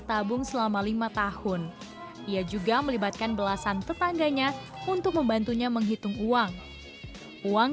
tabung selama lima tahun ia juga melibatkan belasan tetangganya untuk membantunya menghitung uang uang